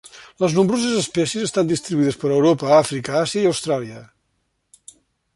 Les nombroses espècies estan distribuïdes per Europa, Àfrica, Àsia i Austràlia.